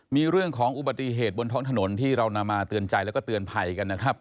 มีเรื่องของอุบัติเหตุบนท้องถนนที่เรานำมาเตือนใจแล้วก็เตือนภัยกันนะครับ